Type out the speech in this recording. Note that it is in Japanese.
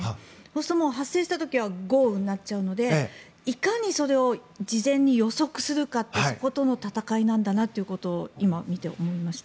すると、発生した時は豪雨になっちゃうのでいかにそれを事前に予測するかとそことの戦いなんだと今見て、思いました。